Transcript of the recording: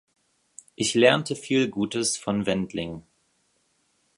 Ich lernte viel Gutes von Wendling.